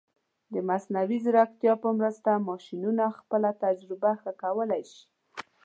د مصنوعي ځیرکتیا په مرسته، ماشینونه خپله تجربه ښه کولی شي.